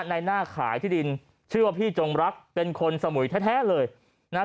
ในหน้าขายที่ดินชื่อว่าพี่จงรักเป็นคนสมุยแท้เลยนะฮะ